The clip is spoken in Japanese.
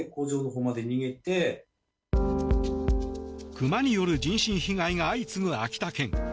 クマによる人身被害が相次ぐ秋田県。